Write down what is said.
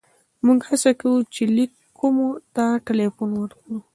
موږ هڅه کوو چې لېک کومو ته ټېلیفون وکړو.